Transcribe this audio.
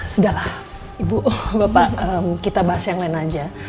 sudahlah ibu bapak kita bahas yang lain aja